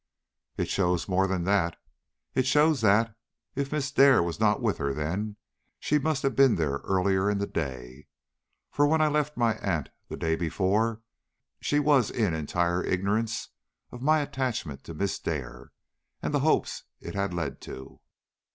"It shows more than that. It shows that, if Miss Dare was not with her then, she must have been there earlier in the day. For, when I left my aunt the day before, she was in entire ignorance of my attachment to Miss Dare, and the hopes it had led to."